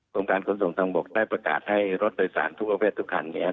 การขนส่งทางบกได้ประกาศให้รถโดยสารทุกประเภททุกคันเนี่ย